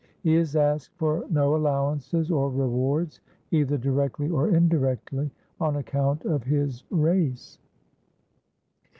He has asked for no allowances or rewards, either directly or indirectly, on account of his race.